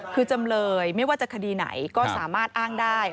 คือจำเลยไม่ว่าจะคดีไหนก็สามารถอ้างได้